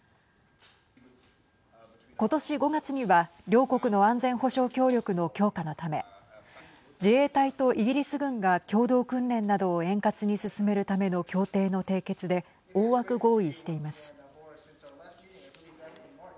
ことし５月には両国の安全保障協力の強化のため自衛隊とイギリス軍が共同訓練などを円滑に進めるための協定の締結で大枠合意しています。